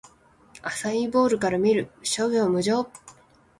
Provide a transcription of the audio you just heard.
アサイーボウルから見る！諸行無常